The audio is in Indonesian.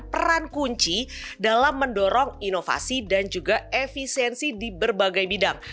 peran kunci dalam mendorong inovasi dan juga efisiensi di berbagai bidang